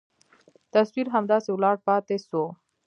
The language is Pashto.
تصوير همداسې ولاړ پاته سو.